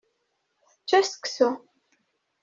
Tečča seksu.